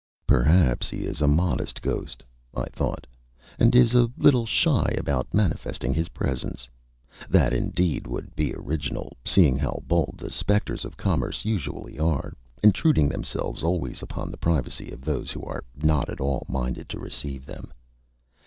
"Perhaps he is a modest ghost," I thought, "and is a little shy about manifesting his presence. That, indeed, would be original, seeing how bold the spectres of commerce usually are, intruding themselves always upon the privacy of those who are not at all minded to receive them."